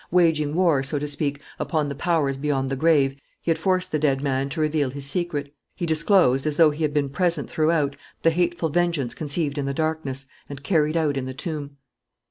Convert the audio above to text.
Waging war, so to speak, upon the powers beyond the grave, he had forced the dead man to reveal his secret. He disclosed, as though he had been present throughout, the hateful vengeance conceived in the darkness and carried out in the tomb.